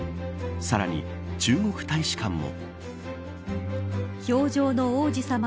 さらに、中国大使館も。